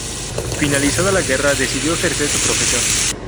Finalizada la guerra, decidió ejercer su profesión.